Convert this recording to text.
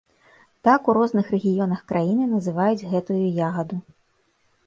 Так у розных рэгіёнах краіны называюць гэтую ягаду.